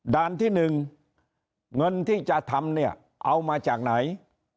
ที่๑เงินที่จะทำเนี่ยเอามาจากไหน